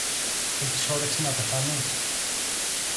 Έχεις όρεξη να πεθάνεις;